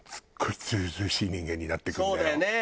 そうだよね。